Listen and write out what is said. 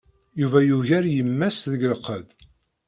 Yuba yugar yemma-s deg lqedd.